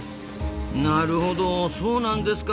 なるほどそうなんですか。